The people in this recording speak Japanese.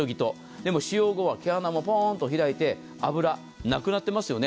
でも、使用後は毛穴もポーンと開いて脂なくなっていますよね。